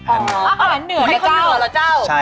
อ๋ออาหารเหนือเป็นคนเหนือเหรอเจ้า